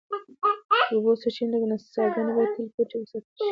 د اوبو سرچینې لکه څاګانې باید تل پټې وساتل شي.